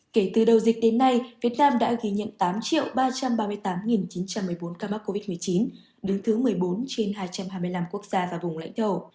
kể từ đầu dịch đến nay việt nam đã ghi nhận tám ba trăm ba mươi tám chín trăm một mươi bốn ca mắc covid một mươi chín đứng thứ một mươi bốn trên hai trăm hai mươi năm quốc gia và vùng lãnh thổ